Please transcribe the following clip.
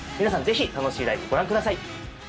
ぜひ楽しいライブご覧ください。